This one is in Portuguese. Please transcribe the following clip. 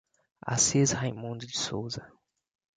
Assis Raimundo de Souza